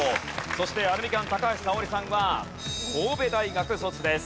そしてアルミカン高橋沙織さんは神戸大学卒です。